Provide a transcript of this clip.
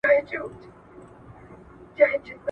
ولي ځايي واردوونکي کیمیاوي سره له چین څخه واردوي؟